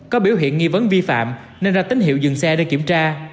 có biểu hiện nghi vấn vi phạm nên ra tín hiệu dừng xe để kiểm tra